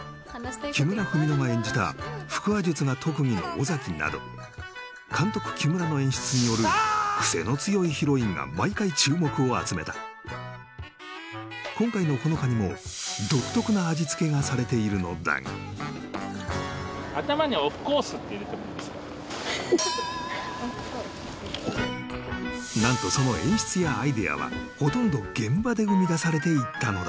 木村文乃が演じた腹話術が特技の尾崎など監督・木村の演出によるクセの強いヒロインが毎回注目を集めた今回の穂乃果にも独特な味付けがされているのだがオフコース何とその演出やアイデアはほとんど現場で生み出されていったのだ